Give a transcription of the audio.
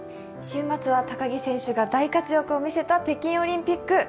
週末は高木選手が大活躍を見せた北京オリンピック。